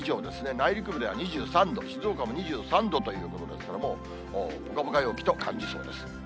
内陸部では２３度、静岡も２３度ということですから、もうぽかぽか陽気と感じそうです。